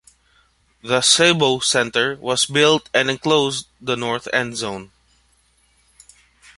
The Sebo Center was built and enclosed the north endzone.